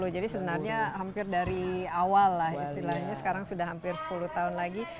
jadi sebenarnya hampir dari awal lah istilahnya sekarang sudah hampir sepuluh tahun lagi